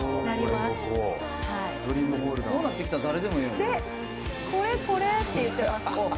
で、これこれって言ってます。